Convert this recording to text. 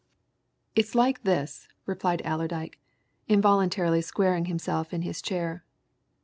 "It's like this," replied Allerdyke, involuntarily squaring himself in his chair.